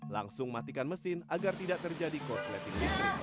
langsung matikan mesin agar tidak terjadi korsleting listrik